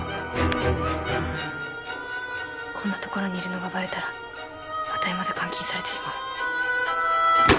こんな所にいるのがバレたらあたいまで監禁されてしまう。